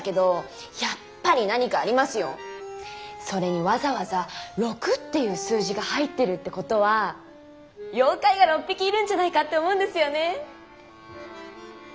それにわざわざ「六」っていう数字が入ってるってことは妖怪が「６匹」いるんじゃないかって思うんですよね。